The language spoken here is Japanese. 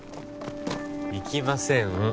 行きません。